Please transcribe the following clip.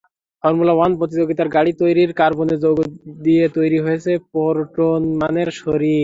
Formula One প্রতিযোগিতার গাড়ি তৈরির কার্বনের যৌগ দিয়ে তৈরি হয়েছে পোরটন ম্যানের শরীর।